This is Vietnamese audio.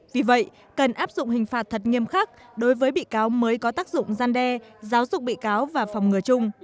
vì vậy cần áp dụng hình phạt thật nghiêm khắc đối với bị cáo mới có tác dụng gian đe giáo dục bị cáo và phòng ngừa chung